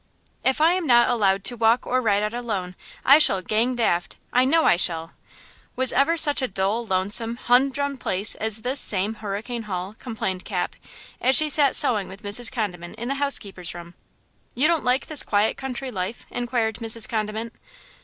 "IF I am not allowed to walk or ride out alone, I shall 'gang daft!' I know I shall! Was ever such a dull, lonesome, humdrum place as this same Hurricane Hall?" complained Cap, as she sat sewing with Mrs. Condiment in the housekeeper's room. "You don't like this quiet country life?" inquired Mrs. Condiment.